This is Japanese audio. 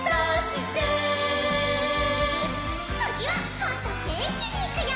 つぎはもっとげんきにいくよ！